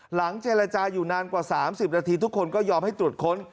หลังเจรจาอยู่นานกว่า๓๐นาทีทุกคนก็ยอมให้ตรวจค้น